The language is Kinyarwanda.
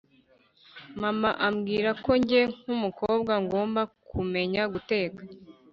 mama ambwira ko nge nk’umukobwa ngomba kumenya guteka,